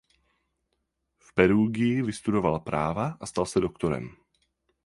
V Perugii vystudoval práva a stal se doktorem.